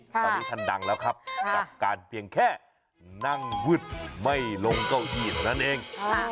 ตอนนี้ท่านดังแล้วครับกับการเพียงแค่นั่งวึดไม่ลงเก้าอี้เท่านั้นเอง